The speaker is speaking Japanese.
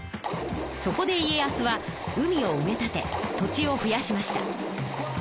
そこで家康は海を埋め立て土地を増やしました。